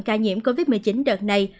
ca nhiễm covid một mươi chín đợt này